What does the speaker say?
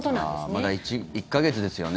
まだ１か月ですよね。